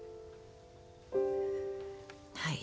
はい。